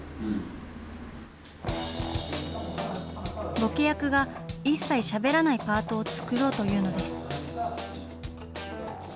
ボケ役が一切しゃべらないパートを作ろうというのです。